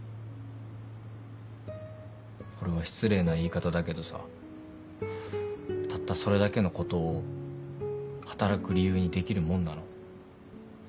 これは失礼な言い方だけどさたったそれだけのことを働く理由にできるもんなの？